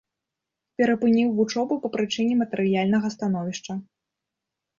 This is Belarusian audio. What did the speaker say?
Перапыніў вучобу па прычыне матэрыяльнага становішча.